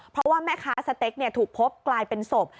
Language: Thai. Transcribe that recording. เพราะว่าแม่ค้าสเต็กถูกพบกลายเป็นศพ